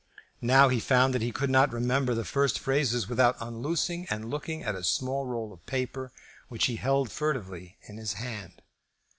Now he found that he could not remember the first phrases without unloosing and looking at a small roll of paper which he held furtively in his hand.